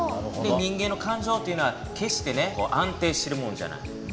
人間の感情というのは決して安定してるもんじゃない。